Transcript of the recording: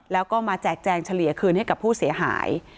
แล้วก็มาแจกแจงเฉลี่ยคืนให้กับผู้เสียหาย